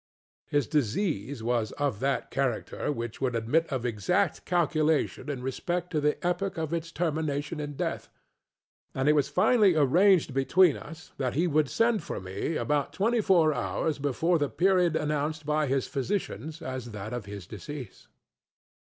His disease was of that character which would admit of exact calculation in respect to the epoch of its termination in death; and it was finally arranged between us that he would send for me about twenty four hours before the period announced by his physicians as that of his decease.